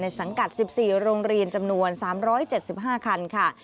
สังกัด๑๔โรงเรียนจำนวน๓๗๕คันค่ะ